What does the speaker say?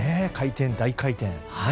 回転、大回転。